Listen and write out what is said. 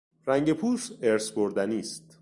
رنگ پوست ارث بردنی است.